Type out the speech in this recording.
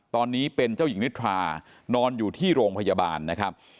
ตอนนี้เป็นเจ้าหญิงนิทรานอนอยู่ที่โรงพยาบาลนะครับ